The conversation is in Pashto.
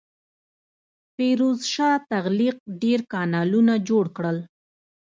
فیروز شاه تغلق ډیر کانالونه جوړ کړل.